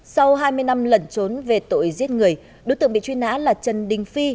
sau hai mươi năm lẩn trốn về tội giết người đối tượng bị chuyên án là trần đinh phi